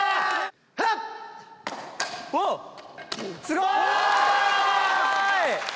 すごい！